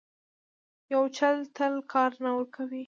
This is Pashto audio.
یو چل تل کار نه ورکوي.